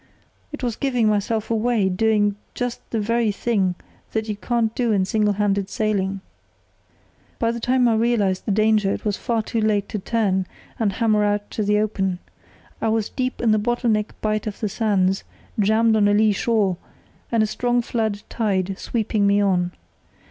It was giving myself away, doing just the very thing that you can't do in single handed sailing. "By the time I realised the danger it was far too late to turn and hammer out to the open. I was deep in the bottle neck bight of the sands, jammed on a lee shore, and a strong flood tide sweeping me on.